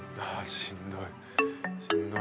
しんどい。